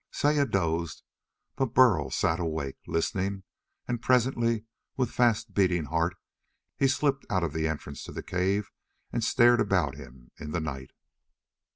Saya dozed. And Burl sat awake, listening, and presently with fast beating heart he slipped out of the entrance to the cave and stared about him in the night.